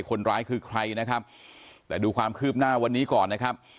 คนร้ายคือใครนะครับแต่ดูความคืบหน้าวันนี้ก่อนนะครับ